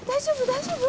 大丈夫？